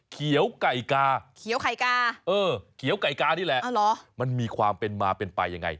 เขียวก่ายกานี่แหละมันมีความเป็นมาเป็นไปอย่างไร